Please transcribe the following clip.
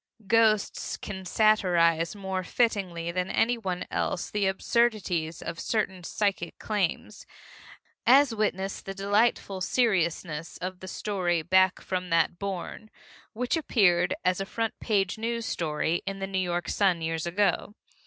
Ghosts can satirize more fittingly than anyone else the absurdities of certain psychic claims, as witness the delightful seriousness of the story Back from that Bourne, which appeared as a front page news story in the New York Sun years ago.